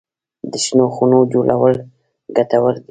د شنو خونو جوړول ګټور دي؟